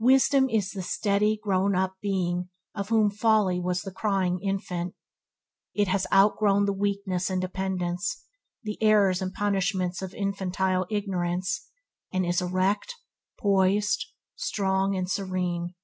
Wisdom is the steady, grown up being of whom folly was the crying infant. It was outgrown the weakness and dependence, the errors and punishments of infantile ignorance, and is erect, poised, strong, and serene.